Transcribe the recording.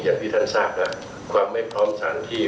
อย่างที่ท่านทราบความไม่พร้อมสถานที่